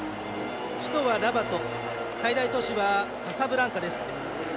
首都はラバト最大都市はカサブランカです。